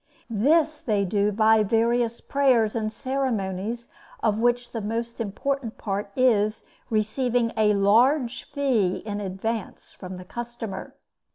This they do by various prayers and ceremonies, of which the most important part is, receiving a large fee in advance from the customer.